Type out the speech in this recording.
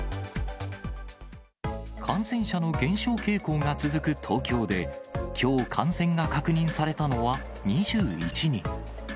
感染者の減少傾向が続く東京で、きょう、感染が確認されたのは２１人。